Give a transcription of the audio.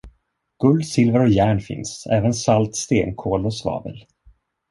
Guld, silver och järn finns, även salt, stenkol och svavel.